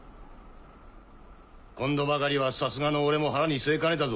今度ばかりはさすがの俺も腹に据えかねたぞ。